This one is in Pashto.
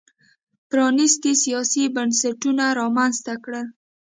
پرانیستي سیاسي بنسټونه رامنځته کړل.